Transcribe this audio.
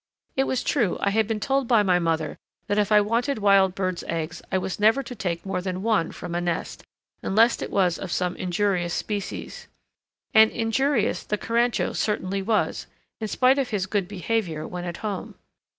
It was true I had been told by my mother that if I wanted wild birds' eggs I was never to take more than one from a nest, unless it was of some injurious species. And injurious the carancho certainly was, in spite of his good behaviour when at home.